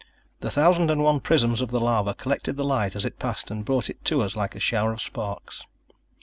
The thousand and one prisms of the lava collected the light as it passed and brought it to us like a shower of sparks.